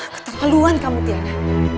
keterlaluan kamu tiara